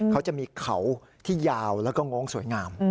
เขาจะมีเขาที่ยาวแล้วก็โง้งสวยงาม